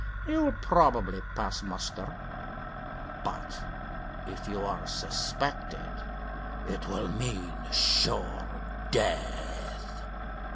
You will probably pass muster. But, if you are suspected, it will mean sure death."